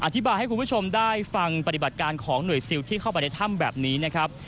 อธิบายให้คุณผู้ชมได้ฟังปฏิบัติการของหน่วยซิลที่เข้าไปในถ้ำแบบนี้นะครับ